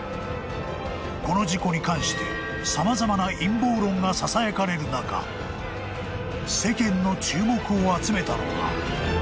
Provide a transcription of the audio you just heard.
［この事故に関して様々な陰謀論がささやかれる中世間の注目を集めたのが］